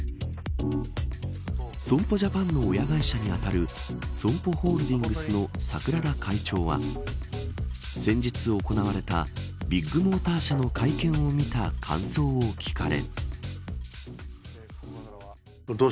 損保ジャパンの親会社に当たるＳＯＭＰＯホールディングスの櫻田会長は先日行われたビッグモーター社の会見を見た感想を聞かれ。